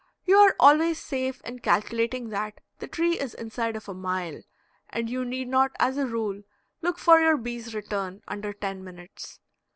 You are always safe in calculating that the tree is inside of a mile, and you need not as a rule look for your bee's return under ten minutes.